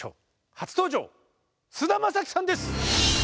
初登場菅田将暉さんです。